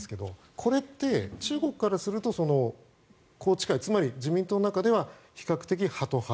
これって中国からすると宏池会つまり自民党の中では比較的、ハト派。